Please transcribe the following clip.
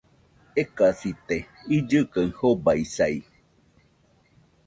Ekasite, illɨ kaɨ jobaisai